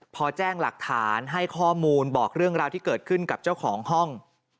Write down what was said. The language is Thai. พอแจ้งหลักฐานให้ข้อมูลบอกเรื่องราวที่เกิดขึ้นกับเจ้าของห้อง